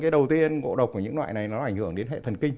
đầu tiên ngộ độc của những loại này nó ảnh hưởng đến hệ thần kinh